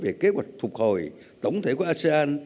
về kế hoạch phục hồi tổng thể của asean